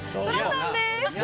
寅さんです！